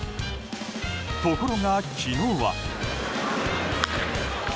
ところが昨日は。